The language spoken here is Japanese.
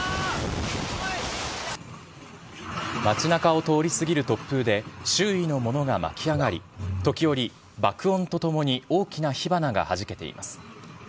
街なかを通り過ぎる突風で、周囲のものが巻き上がり、時折、爆音とともに大きな火花がはじけています。